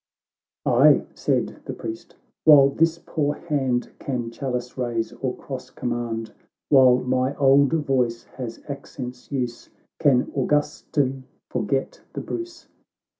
—" Aye ! "—said the Priest, " while this poor hand Can chalice raise or cross command, While my old voice has accents' use, Can Augustin forget the Bruce